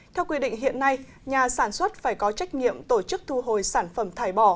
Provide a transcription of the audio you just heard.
theo quy định hiện nay nhà sản xuất phải có trách nhiệm tổ chức thu hồi sản phẩm thải bỏ